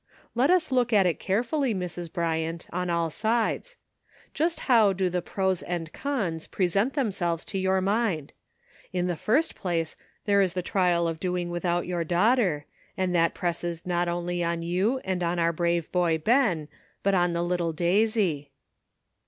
Let us look at it carefully, Mrs. Bryant, on all sides. Just how do the pros and cons present themselves to your mind ? In the first place, there is the trial of doing without your daughter ; and that presses not only on you and on our brave boy Ben, but on the little Daisy."